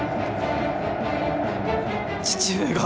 父上が！